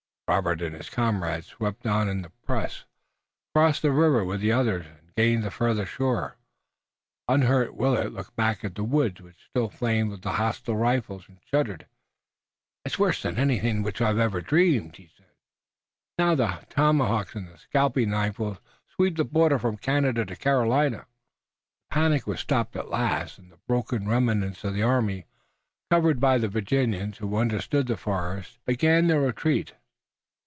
Robert and his comrades, swept on in the press, crossed the river with the others and gained the farther shore unhurt. Willet looked back at the woods, which still flamed with the hostile rifles, and shuddered. "It's worse than anything of which I ever dreamed," he said. "Now the tomahawk and the scalping knife will sweep the border from Canada to Carolina." The panic was stopped at last and the broken remnants of the army, covered by the Virginians who understood the forest, began their retreat.